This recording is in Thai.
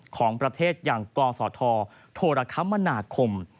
ของประเทศอย่างกศธโทรคมนาคม